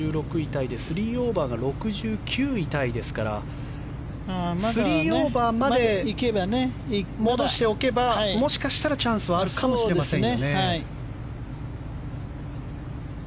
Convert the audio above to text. タイで３オーバーが６９位タイですから３オーバーまで戻しておけばもしかしたらチャンスはあるかもしれませんね。